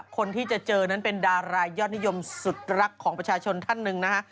คนที่จะเจอนั้นเป็นดารายอดนิยมสุดรักของประชาชนท่านหนึ่งนะฮะ